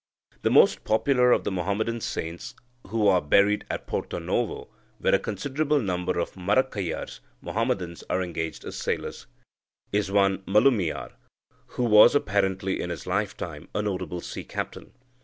The most popular of the Muhammadan saints who are buried at Porto Novo, where a considerable number of Marakkayars (Muhammadans) are engaged as sailors, "is one Malumiyar, who was apparently in his lifetime a notable sea captain.